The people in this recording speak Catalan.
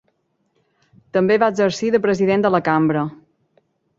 També va exercir de president de la Cambra.